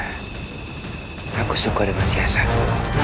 dan aku suka dengan siasatmu